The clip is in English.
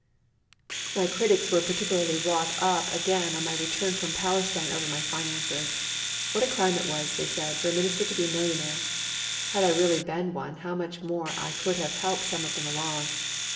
_ My critics were particularly wrought up again on my return from Palestine over my finances. What a crime it was, they said, for a minister to be a millionaire! Had I really been one how much more I could have helped some of them along.